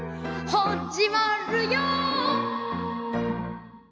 はっじまるよ！